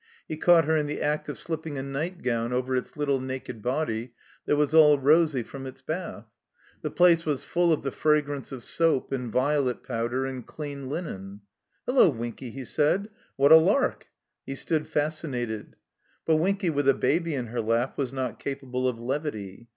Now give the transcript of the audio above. He caught her in the act of slipping a nightgown over its little naked body, that was all rosy from its bath. The place was full of the fragrance of soap and violet powder and dean linen. "Hello, WinkyI" he said. "What a lark!" He stood fascinated. But Winky with a baby in her lap was not capable of levity.